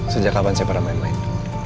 sejak kapan saya pernah main main